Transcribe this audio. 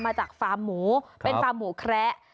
ฟาร์มหมูเป็นฟาร์มหมูแคระ